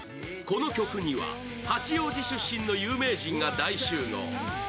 この曲には八王子出身の有名人が大集合。